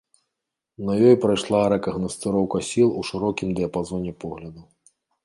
На ёй прайшла рэкагнасцыроўка сіл у шырокім дыяпазоне поглядаў.